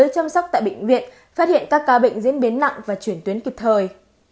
chăm sóc tại bệnh viện phát hiện các ca bệnh diễn biến nặng và chuyển tuyến kịp thời